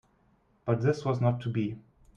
But this was not to be.